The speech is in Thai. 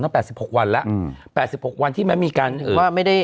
ต้องแปดสิบหกวันแล้วอืมแปดสิบหกวันที่แม้มีกันว่าไม่ได้